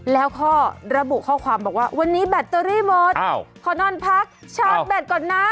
แล้วก็ระบุข้อความบอกว่าวันนี้แบตเตอรี่หมดขอนอนพักชาร์จแบตก่อนนะ